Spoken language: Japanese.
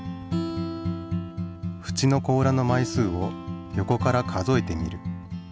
ふちの甲羅の枚数を横から数えてみる。